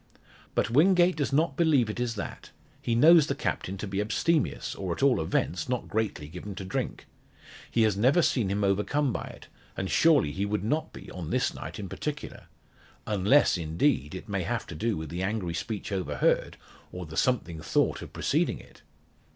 But Wingate does not believe it is that. He knows the Captain to be abstemious, or, at all events, not greatly given to drink. He has never seen him overcome by it; and surely he would not be, on this night in particular. Unless, indeed, it may have to do with the angry speech overheard, or the something thought of preceding it!